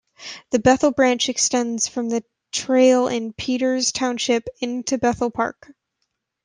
The "Bethel Branch" extends from the trail in Peters Township into Bethel Park.